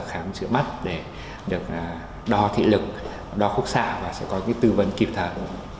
khám chữa mắt để được đo thị lực đo khúc xạ và sẽ có tư vấn kịp thời